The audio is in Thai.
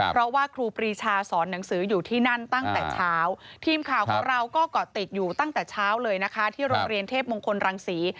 เพราะว่าครูปรีชาสอนหนังสืออยู่ที่นั่นตั้งแต่เช้าทีมข่าวของเราก็เกาะติดอยู่ตั้งแต่เช้าเลยนะคะที่โรงเรียนเทพมงคลรังศรี